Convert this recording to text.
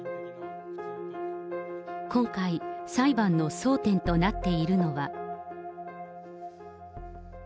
今回、裁判の争点となっているのは。